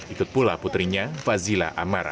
ikut pula putrinya fazila amara